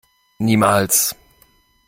Niemals!